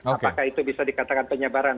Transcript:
apakah itu bisa dikatakan penyebaran